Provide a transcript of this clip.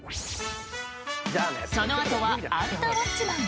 そのあとは「アンタウォッチマン！」